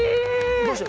どうして？